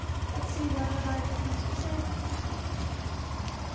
Let's see whether Elijah comes to save him."